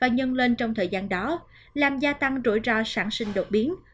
nhân lên trong thời gian đó làm gia tăng rủi ro sản sinh đột biến